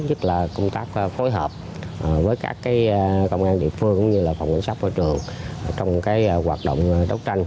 nhất là công tác phối hợp với các công an địa phương cũng như là ubnd ở trường trong hoạt động đấu tranh